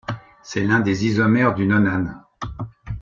C'est l'un des isomères du nonane.